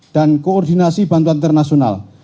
dan koordinasi bantuan internasional